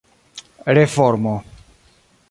reformo